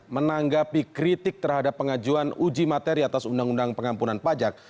menanggapi kritik terhadap pengajuan uji materi atas undang undang pengampunan pajak